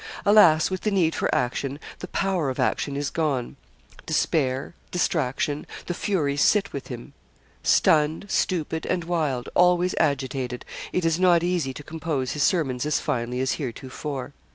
Alas! with the need for action, the power of action is gone. Despair distraction the Furies sit with him. Stunned, stupid, and wild always agitated it is not easy to compose his sermons as finely as heretofore.